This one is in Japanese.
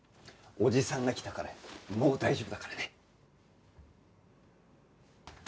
おじさんが来たからもう大丈夫だからね！